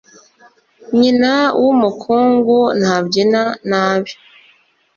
Nyina w’umukungu ntabyina nabi.